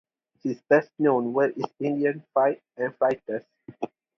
His best-known work is "Indian Fights and Fighters".